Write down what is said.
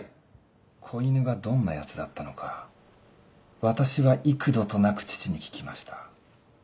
子犬がどんなやつだったのか私は幾度となく父に聞きました。